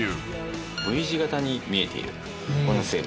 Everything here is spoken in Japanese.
Ｖ字形に見えている音声。